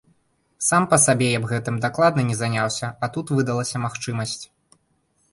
Сам па сабе я б гэтым дакладна не заняўся, а тут выдалася магчымасць.